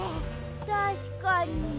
たしかに。